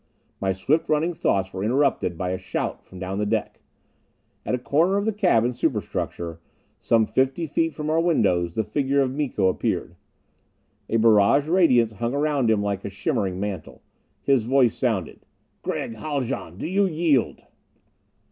My swift running thoughts were interrupted by a shout from down the deck. At a corner of the cabin superstructure some fifty feet from our windows the figure of Miko appeared. A barrage radiance hung around him like a shimmering mantle. His voice sounded: "Gregg Haljan, do you yield?"